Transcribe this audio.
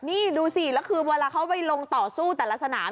นี่ดูสิแล้วคือเวลาเขาไปลงต่อสู้แต่ละสนาม